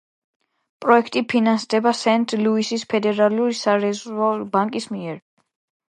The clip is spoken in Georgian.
პროექტი ფინანსდება სენტ-ლუისის ფედერალური სარეზერვო ბანკის მიერ.